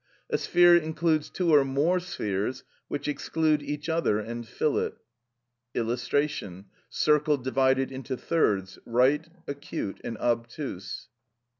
A sphere includes two or more spheres which exclude each other and fill it. [Illustration: Circle divided into thirds "right", "acute", and "obtuse".